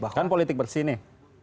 kan politik bersih nih